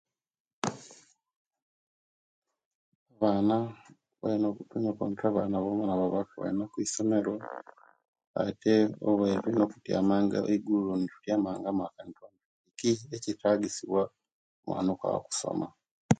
Abaana tuyina okuwanika abaana bonabona nebaba kuisomero ate tuyina okutiyamanga eigulo netutyama nga amaka ki ekiyetagisibwa omubaana omubaana okwaba okusoma